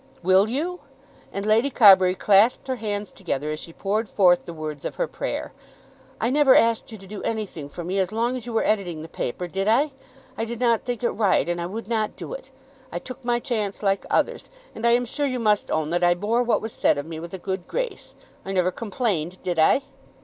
"Will you?" And Lady Carbury clasped her hands together as she poured forth the words of her prayer. "I never asked you to do anything for me as long as you were editing the paper. Did I? I did not think it right, and I would not do it. I took my chance like others, and I am sure you must own that I bore what was said of me with a good grace. I never complained. Did I?"